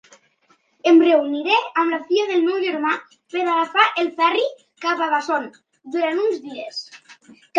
Em reuniré amb la filla del meu germà per agafar el ferri cap a Vashon durant uns dies.